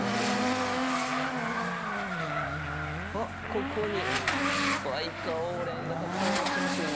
あっここにバイカオウレンがたくさん植わってますよ。